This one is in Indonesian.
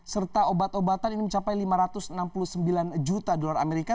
serta obat obatan ini mencapai lima ratus enam puluh sembilan juta dolar amerika